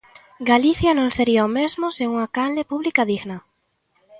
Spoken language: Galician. Galicia non sería o mesmo sen unha canle pública digna.